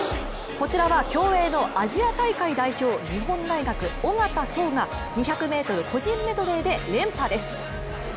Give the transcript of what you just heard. こちらは競泳のアジア大会代表、日本大学・小方颯が２００ｍ個人メドレーで連覇です。